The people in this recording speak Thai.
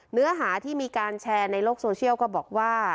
เนื้อหาที่มีการแชร์ในโลกโซเชียลก็บอกว่า